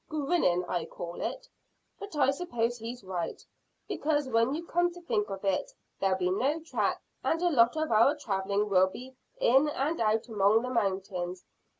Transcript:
"Grinning, I call it. But I suppose he's right, because when you come to think of it, there'll be no track, and a lot of our travelling will be in and out among the mountains.